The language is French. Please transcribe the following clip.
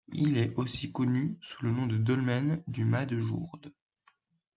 Il est aussi connu sous le nom de dolmen du Mas de Jourde.